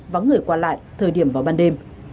và người quản lại thời điểm vào ban đêm